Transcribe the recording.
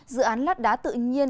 dự án lát đá tự nhiên